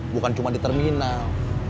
bukan cuma di terminal